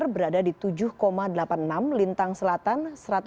berada di tujuh delapan puluh enam lintang selatan